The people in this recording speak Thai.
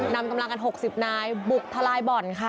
นำกำลังกัน๖๐นายบุกทลายบ่อนค่ะ